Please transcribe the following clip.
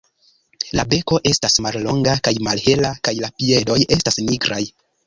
La beko estas mallonga kaj malhela kaj la piedoj estas nigraj.